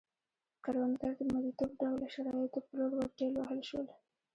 کروندګر د مریتوب ډوله شرایطو په لور ورټېل وهل شول.